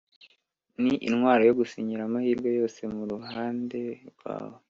ni intwaro yo gushyira amahirwe yose mu ruhande rwawe